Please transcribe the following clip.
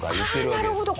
あなるほど！